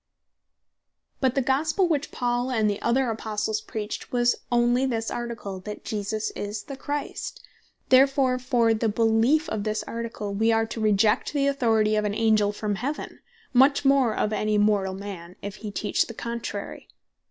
But the Gospell which Paul, and the other Apostles, preached, was onely this Article, that Jesus Is The Christ; Therefore for the Beleef of this Article, we are to reject the Authority of an Angell from heaven; much more of any mortall man, if he teach the contrary.